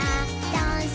ダンス！